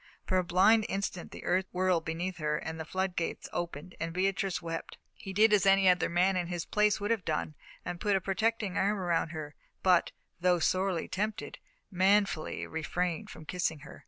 For a blind instant the earth whirled beneath her, then the flood gates opened and Beatrice wept. He did as any other man in his place would have done and put a protecting arm around her, but, though sorely tempted, manfully refrained from kissing her.